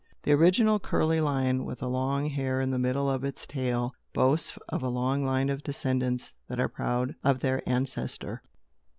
The original curly lion, with long hair in the middle of its tail, boasts of a long line of descendants that are proud of their ancestor.